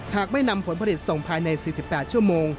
หากไม่นำผลผลิตส่งภายใน๔๘ชั่วโมง